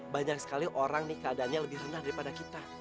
banyak sekali orang nih keadaannya lebih rendah daripada kita